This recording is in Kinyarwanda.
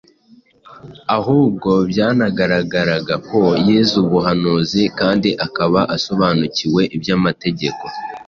ahubwo byanagaragaraga ko yize ubuhanuzi kandi akaba asobanukiwe iby’amategeko.